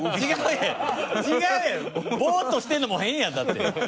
ボーッとしてるのも変やんだって。